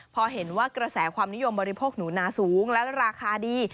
พอเห็นว่ากระแสความนิยมบริโภคหนูนาสูงและราคาดี